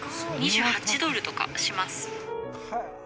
２８ドルとかします。